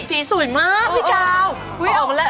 สีสวยมากพี่กาว